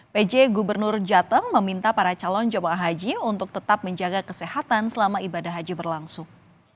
pj gubernur jateng meminta para calon jemaah haji untuk tetap menjaga kesehatan selama ibadah haji berlangsung